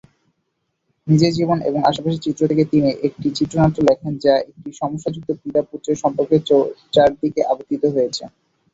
নিজের জীবন এবং আশেপাশের চিত্র থেকে তিনি একটি চিত্রনাট্য লেখেন যা একটি সমস্যাযুক্ত পিতা-পুত্রের সম্পর্কের চারদিকে আবর্তিত হয়েছে।